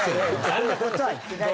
そんな事は言ってない。